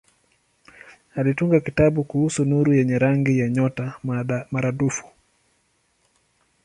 Alitunga kitabu kuhusu nuru yenye rangi ya nyota maradufu.